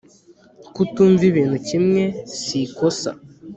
Kutumva ibintu kimwe si kosa